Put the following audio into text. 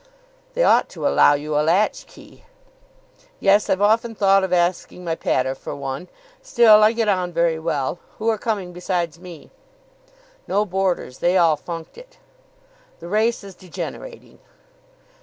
"They ought to allow you a latch key." "Yes, I've often thought of asking my pater for one. Still, I get on very well. Who are coming besides me?" "No boarders. They all funked it." "The race is degenerating."